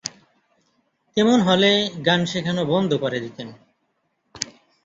তেমন হলে, গান শেখানো বন্ধ করে দিতেন।